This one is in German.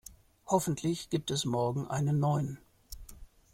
Hoffentlich gibt es morgen einen neuen.